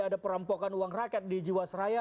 ada perampokan uang rakyat di jiwasraya